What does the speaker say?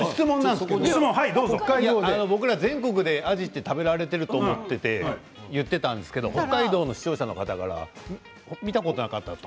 全国でアジが食べられていると言っていたんですけど北海道の視聴者が見たことなかったと。